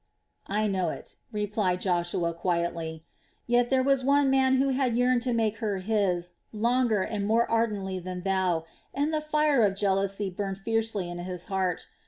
"I know it," replied Joshua quietly, "yet there was one man who had yearned to make her his longer and more ardently than thou, and the fire of jealousy burned fiercely in his heart.